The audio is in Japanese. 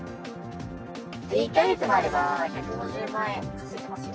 １か月もあれば１５０万円稼げますよ。